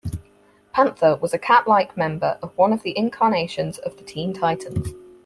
Pantha was a cat-like member of one of the incarnations of the Teen Titans.